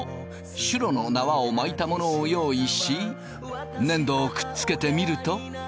シュロの縄を巻いたものを用意し粘土をくっつけてみると。